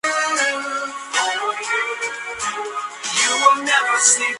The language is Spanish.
En la Facultad de Medicina, compartió pupitre con otras cinco mujeres.